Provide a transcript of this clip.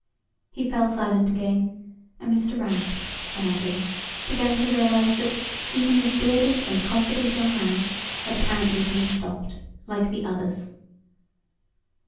He fell silent again, and Mr. Rapp, sadly, began to realize that even this bearded and confident young man had apparently been stopped, like the others.